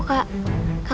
diajarkan ibu kak